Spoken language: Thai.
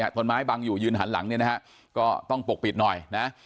ต้นไม้บังอยู่ยืนหันหลังก็ต้องปกปิดหน่อย